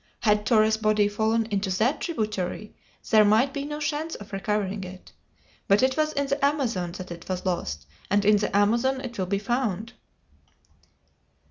Had Torres' body fallen into that tributary there might be no chance of recovering it. But it was in the Amazon that it was lost, and in the Amazon it will be found."